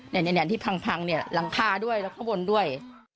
เนี่ยที่พังเนี่ยหลังคาด้วยแล้วข้างบนด้วย